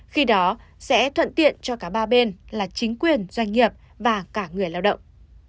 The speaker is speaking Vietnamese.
khi đó sẽ thuận tiện cho cả ba bên là chính quyền doanh nghiệp và cả người lao động